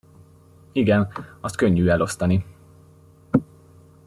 Igen, azt könnyű elosztani.